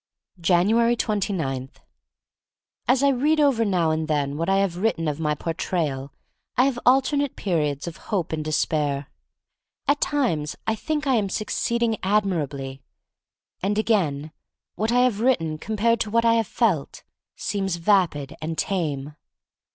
AS I read over now and then what I have written of my Portrayal I have alternate periods of hope and despair. At times I think I am succeeding admirably — and again, what I have written compared to what I have felt seems vapid and tame.